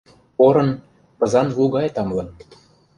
Порын, пызан лу гай тамлын...